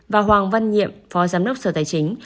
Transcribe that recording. và hoàng văn nhiệm phó giám đốc sở tài chính